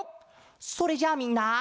それじゃあみんな。